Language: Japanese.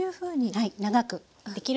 はい。